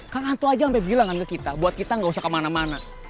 kan hantu aja sampai bilang kan ke kita buat kita gak usah kemana mana